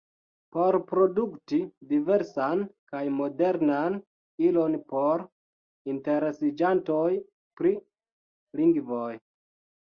Por produkti diversan kaj modernan ilon por interesiĝantoj pri lingvoj.